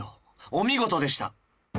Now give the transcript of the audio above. お見事でした。